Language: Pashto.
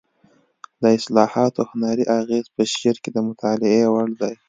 د اصطلاحاتو هنري اغېز په شعر کې د مطالعې وړ دی